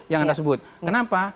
yang anda sebut kenapa